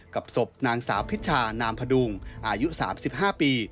ศพนางสาวพิชานามพดุงอายุ๓๕ปี